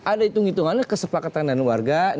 ada hitung hitungannya kesepakatan dengan warga